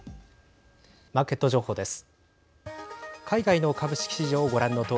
マーケット情報です。